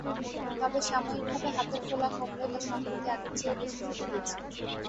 তবে সাময়িকভাবে হাতের ফোলা কমলেও তা সম্প্রতি আগের চেয়েও বেশি ফুলে গিয়েছিল।